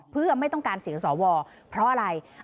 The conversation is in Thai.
เพื่อไม่ต้องการเสียงสวเพราะอะไร